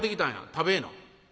食べえな」。